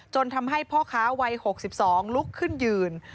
ทำให้พ่อค้าวัย๖๒ลุกขึ้นยืน